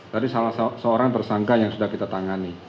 tadi salah seorang tersangka yang sudah kita tangani